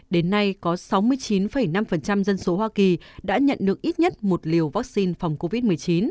đến nay có sáu mươi chín năm dân số hoa kỳ đã nhận được ít nhất một liều vaccine phòng covid một mươi chín